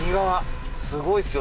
すごいですよ